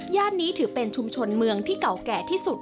นี้ถือเป็นชุมชนเมืองที่เก่าแก่ที่สุด